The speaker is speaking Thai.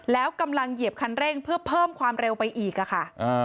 แล้วกำลังเหยียบคันเร่งเพื่อเพิ่มความเร็วไปอีกค่ะ